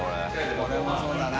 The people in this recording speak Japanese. これもそうだな。